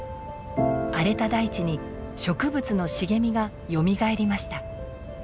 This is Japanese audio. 荒れた大地に植物の茂みがよみがえりました。